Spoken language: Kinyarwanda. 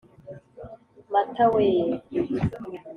Mata wee!